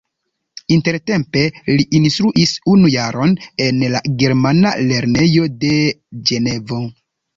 Intertempe li instruis unu jaron en la germana lernejo de Ĝenovo.